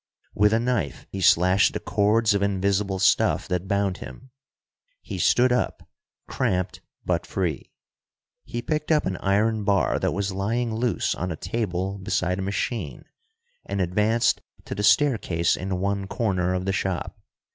With a knife he slashed the cords of invisible stuff that bound him. He stood up, cramped, but free. He picked up an iron bar that was lying loose on a table beside a machine, and advanced to the staircase in one corner of the shop.